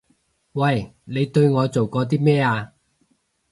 喂！你對我做過啲咩啊？